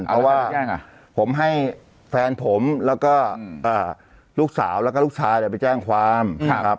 เพราะว่าผมให้แฟนผมแล้วก็ลูกสาวแล้วก็ลูกชายไปแจ้งความครับ